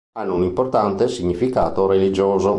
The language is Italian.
Hanno un importante significato religioso.